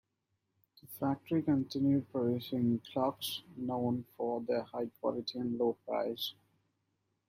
The factory continued producing clocks, known for their high quality and low price.